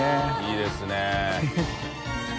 いいですね。